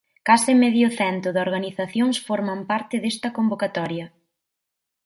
Case medio cento de organizacións forman parte desta convocatoria.